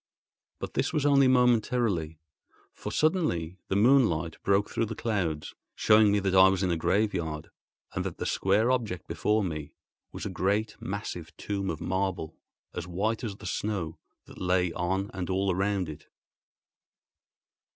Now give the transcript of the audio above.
But this was only momentarily; for suddenly the moonlight broke through the clouds, showing me that I was in a graveyard, and that the square object before me was a great massive tomb of marble, as white as the snow that lay on and all around it.